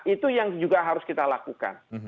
itu yang juga harus kita lakukan